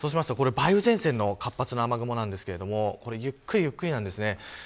梅雨前線の活発な雨雲ですがゆっくりゆっくりなんです。